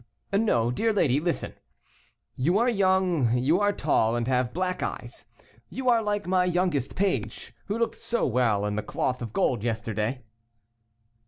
"No, dear lady, listen. You are young, you are tall, and have black eyes; you are like my youngest page, who looked so well in the cloth of gold yesterday."